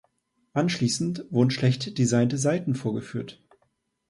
Anschließend wurden schlecht designte Seiten vorgeführt.